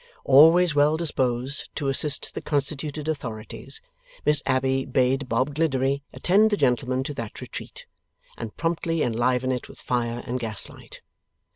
Always well disposed to assist the constituted authorities, Miss Abbey bade Bob Gliddery attend the gentlemen to that retreat, and promptly enliven it with fire and gaslight.